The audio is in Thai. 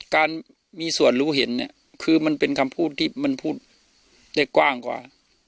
การมีส่วนรู้เห็นเนี่ยคือมันเป็นคำพูดที่มันพูดได้กว้างกว่า